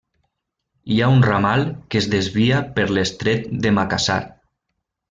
Hi ha un ramal que es desvia per l'Estret de Macassar.